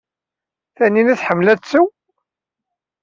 Tanina tḥemmel ad tesseww?